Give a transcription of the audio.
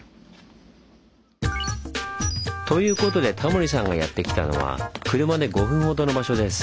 ということでタモリさんがやって来たのは車で５分ほどの場所です。